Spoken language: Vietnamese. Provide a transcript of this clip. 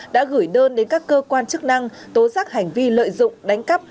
đã gửi đơn đến các cơ quan chức năng tố giác hành vi lợi dụng đánh cắp